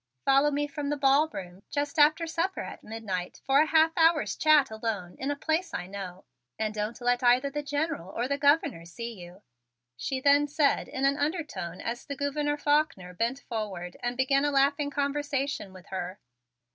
"Follow me from the ballroom just after supper at midnight for a half hour's chat alone in a place I know; and don't let either the General or the Governor see you," she then said in an undertone as the Gouverneur Faulkner bent forward and began a laughing conversation with her.